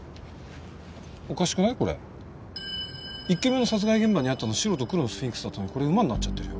１件目の殺害現場にあったのは白と黒のスフィンクスだったのにこれ馬になっちゃってるよ。